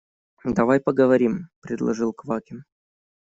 – Давай поговорим, – предложил Квакин.